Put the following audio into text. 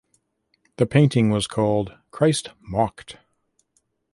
The painting was called "Christ Mocked".